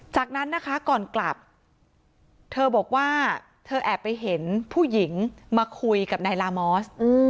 จากนั้นนะคะก่อนกลับเธอบอกว่าเธอแอบไปเห็นผู้หญิงมาคุยกับนายลามอส